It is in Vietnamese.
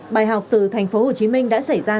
bài học từ tp hcm đã xảy ra